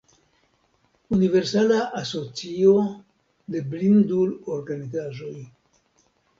Universala Asocio de Blindul-Organizaĵoj.